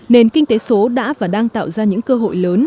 nền kinh tế số đã và đang tạo ra những cơ hội lớn